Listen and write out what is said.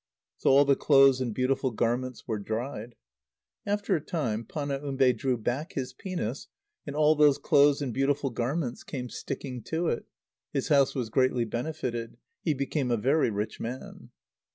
So all the clothes and beautiful garments were dried. After a time Panaumbe drew back his penis, and all those clothes and beautiful garments came sticking to it. His house was greatly benefited. He became a very rich man.